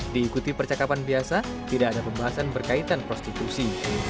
diikuti percakapan biasa tidak ada pembahasan berkaitan prostitusi